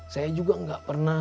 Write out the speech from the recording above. saya juga nggak pernah